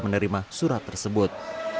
menerima surat tersebut